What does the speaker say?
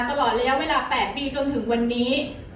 ตลอดระยะเวลา๘ปีจนถึงวันนี้